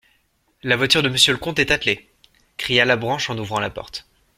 La voiture de Monsieur le comte est attelée ! cria Labranche en ouvrant la porte.